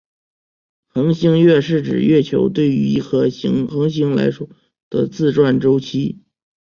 恒星月是指月球对于一颗恒星来说的自转周期。